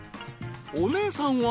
［お姉さんは］